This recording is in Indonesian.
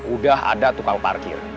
udah ada tukang parkir